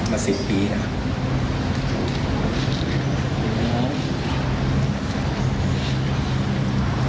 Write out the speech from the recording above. มา๑๐ปีนะครับ